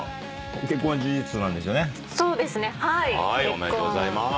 おめでとうございまーす。